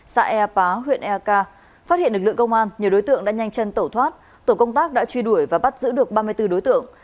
xã ea bá huyện eak phát hiện lực lượng công an nhiều đối tượng đã nhanh chân tẩu thoát tổ công tác đã truy đuổi và bắt giữ được ba mươi bốn đối tượng